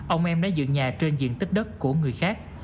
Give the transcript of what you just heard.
ông em đã dựng nhà trên diện tích đất của người khác